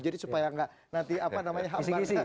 jadi supaya tidak nanti apa namanya